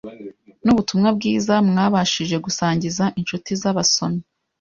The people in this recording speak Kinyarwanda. nubutumwa bwiza mwabashije gusangiza inshuti zabasomyi